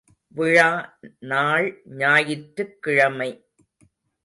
விழா நாள் ஞாயிற்றுக் கிழமை!